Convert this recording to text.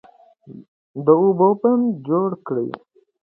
د اوبو بندونه جوړ کړئ.